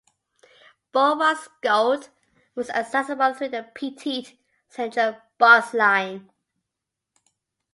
Boulevard Soult was accessible through the Petite Ceinture bus line.